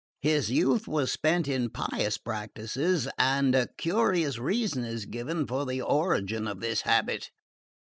His youth was spent in pious practices; and a curious reason is given for the origin of this habit.